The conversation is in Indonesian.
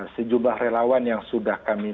sejumlah relawan yang sudah kami